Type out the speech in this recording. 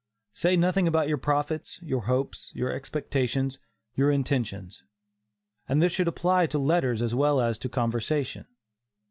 Say nothing about your profits, your hopes, your expectations, your intentions. And this should apply to letters as well as to conversation.